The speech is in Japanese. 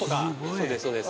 そうですそうです。